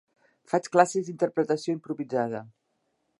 Faig classes d'interpretació improvisada.